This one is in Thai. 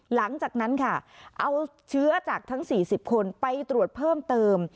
หลังจากนั้นค่ะเอาเชื้อจากทั้ง๔๐คนไปตรวจเพิ่มเติม